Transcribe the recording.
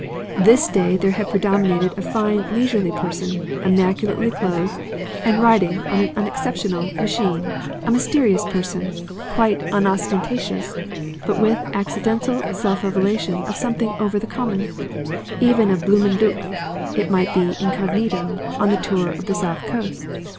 This day there had predominated a fine leisurely person immaculately clothed, and riding on an unexceptional machine, a mysterious person quite unostentatious, but with accidental self revelation of something over the common, even a "bloomin' Dook," it might be incognito, on the tour of the South Coast.